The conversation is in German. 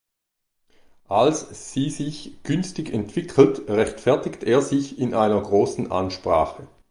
Als sie sich günstig entwickelt, rechtfertigt er sich in einer großen Ansprache.